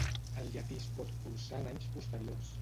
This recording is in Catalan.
El llatí es pot cursar en anys posteriors.